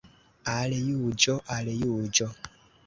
Al Juĝo, al Juĝo!